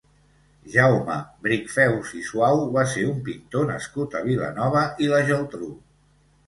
Jaume Brichfeus i Suau va ser un pintor nascut a Vilanova i la Geltrú.